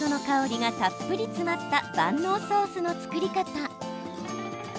その香りがたっぷり詰まった万能ソースの作り方。